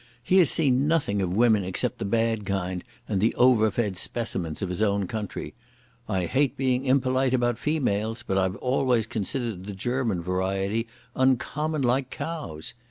He has seen nothing of women except the bad kind and the overfed specimens of his own country. I hate being impolite about females, but I've always considered the German variety uncommon like cows.